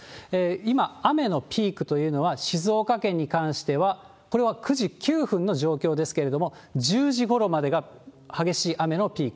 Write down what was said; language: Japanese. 今、雨のピークというのは、静岡県に関しては、これは９時９分の状況ですけれども、１０時ごろまでが激しい雨のピーク。